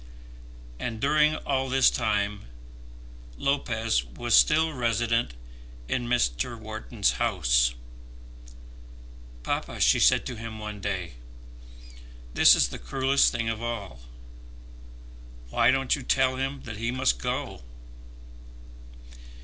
And during all this time Lopez was still resident in Mr. Wharton's house. "Papa," she said to him one day, "this is the cruellest thing of all. Why don't you tell him that he must go?"